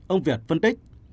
ông việt phân tích